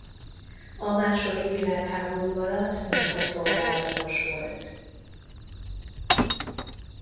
A második világháború alatt munkaszolgálatos volt.